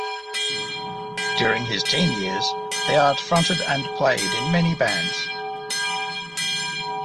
During his teen years, Theart fronted and played in many bands.